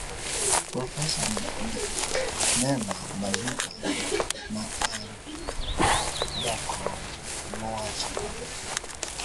Profesa Nema Bazuka ma ne en jakom nowacho kama: